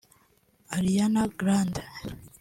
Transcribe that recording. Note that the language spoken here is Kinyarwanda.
Ariana Grande